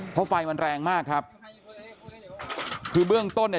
เพราะไฟมันแรงมากครับคือเบื้องต้นเนี่ย